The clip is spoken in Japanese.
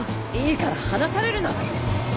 いいから離されるな。